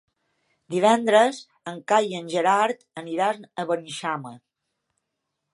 Divendres en Cai i en Gerard aniran a Beneixama.